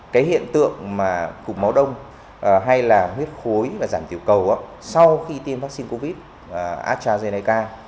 cái hiện tượng mà cục máu đông hay là huyết khối và giảm tiểu cầu sau khi tiêm vaccine covid một mươi chín astrazeneca